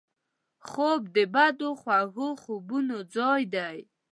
خوب د بدو خوږو خوبونو ځای دی